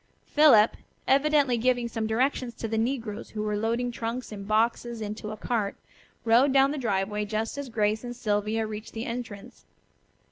Philip, evidently giving some directions to the negroes who were loading trunks and boxes into a cart, rode down the driveway just as Grace and Sylvia reached the entrance.